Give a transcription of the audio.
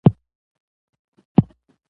بیا یې پورته تر اسمانه واویلا وي